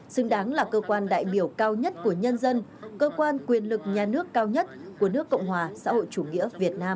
xứng đáng là cơ quan đại biểu cao nhất của nhân dân cơ quan quyền lực nhà nước cao nhất của nước cộng hòa xã hội chủ nghĩa việt nam